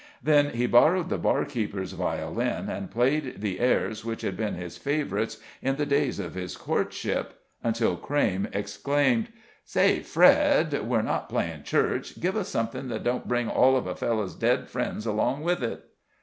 Then he borrowed the barkeeper's violin, and played the airs which had been his favorites in the days of his courtship, until Crayme exclaimed: "Say, Fred, we're not playing church; give us something that don't bring all of a fellow's dead friends along with it."